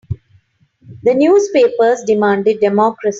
The newspapers demanded democracy.